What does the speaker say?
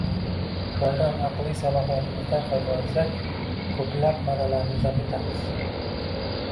Ulardan, aqliy salohiyatimizdan foydalansak, koʻplab marralarni zabt etamiz.